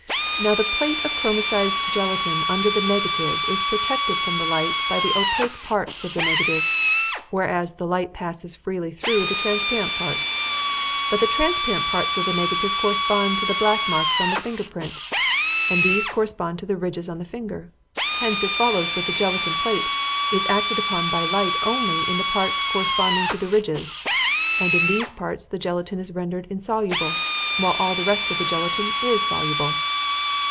Now the plate of chromicized gelatine under the negative is protected from the light by the opaque parts of the negative, whereas the light passes freely through the transparent parts; but the transparent parts of the negative correspond to the black marks on the finger print, and these correspond to the ridges on the finger. Hence it follows that the gelatine plate is acted upon by light only on the parts corresponding to the ridges; and in these parts the gelatine is rendered insoluble, while all the rest of the gelatine is soluble.